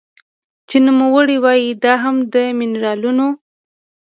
چې نوموړې وايي دا هم د مېنرالونو